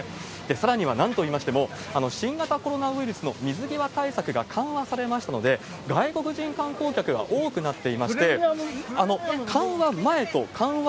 さらには、なんといいましても、新型コロナウイルスの水際対策が緩和されましたので、外国人観光客が多くなっていまして、緩和前と緩和